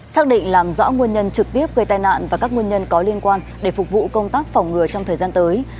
xác định làm rõ nguyên nhân trực tiếp gây tai nạn và các nguyên nhân có liên quan để phục vụ công tác phòng ngừa trong thời gian tới